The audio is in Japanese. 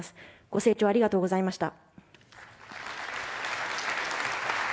御清聴ありがとうございました。